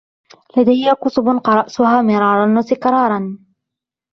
لدي كُتب قرأتها مرارا وتكرارا.